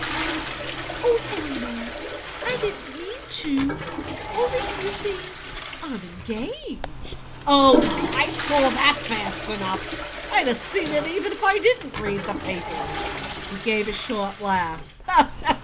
"I oh, Elmer! I didn't mean to; only, you see, I'm engaged." "Oh, I saw that fast enough. I'd have seen it even if I didn't read the papers." He gave a short laugh.